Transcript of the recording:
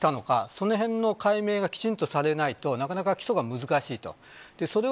そのへんの解明がきちんとされないとなかなか起訴が難しいと。